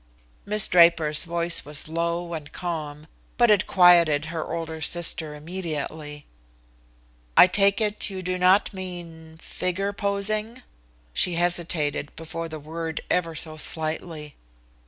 Miss Draper's voice was low and calm, but it quieted her older sister immediately. "I take it you do not mean figure posing." She hesitated before the word ever so slightly.